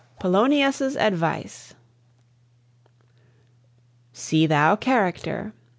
POLONIUS' ADVICE. See thou character.